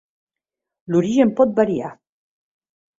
L'origen pot variar.